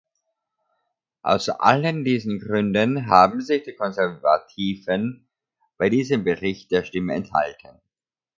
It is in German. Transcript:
Aus allen diesen Gründen haben sich die Konservativen bei diesem Bericht der Stimme enthalten.